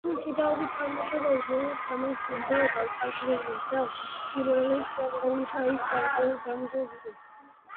ქართული ჭიდაობის წარმოშობა უძველეს ხანას უნდა უკავშირდებოდეს და უპირველეს ყოვლისა ის საბრძოლო დანიშნულების იყო.